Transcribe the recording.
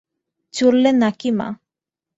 চললে না কি মা?